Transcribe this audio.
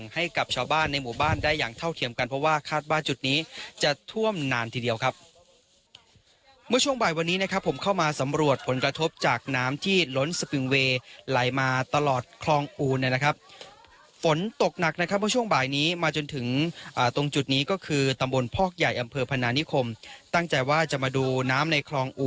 ให้กับชาวบ้านในหมู่บ้านได้อย่างเท่าเทียมกันเพราะว่าคาดว่าจุดนี้จะท่วมนานทีเดียวครับเมื่อช่วงบ่ายวันนี้นะครับผมเข้ามาสำรวจผลกระทบจากน้ำที่ล้นสปิงเวย์ไหลมาตลอดคลองอูนนะครับฝนตกหนักนะครับเมื่อช่วงบ่ายนี้มาจนถึงตรงจุดนี้ก็คือตำบลพอกใหญ่อำเภอพนานิคมตั้งใจว่าจะมาดูน้ำในคลองอู